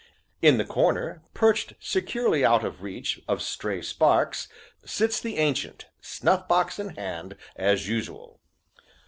In the corner, perched securely out of reach of stray sparks, sits the Ancient, snuff box in hand as usual.